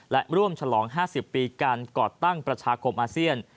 และร่วมฉลอง๕๐ปีการก่อตั้งประชาคมอาเซียน